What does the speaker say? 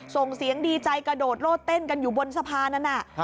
ส่งเสียงดีใจกระโดดโลดเต้นกันอยู่บนสะพานนั้นน่ะ